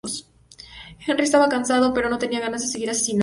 Henry estaba cansado, ya no tenía ganas de seguir asesinando.